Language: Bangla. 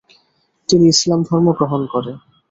তিনি ইসলাম গ্রহণ করে।